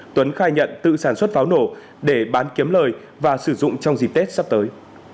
tuấn khai nhận tự sản xuất pháo nổ để bán kiếm lời và sử dụng trong dịp tết sắp tới